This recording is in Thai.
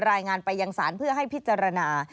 รายงานไปยังศาลเพื่อให้พิจารณา